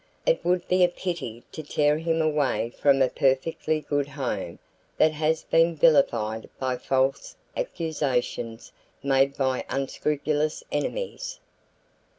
It would be a pity to tear him away from a perfectly good home that has been vilified by false accusations made by unscrupulous enemies."